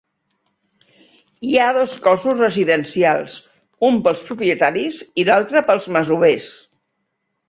Hi ha dos cossos residencials: un pels propietaris i l'altre pels masovers.